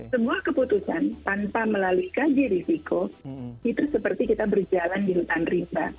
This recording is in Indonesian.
sebuah keputusan tanpa melalui kaji risiko itu seperti kita berjalan di hutan rimba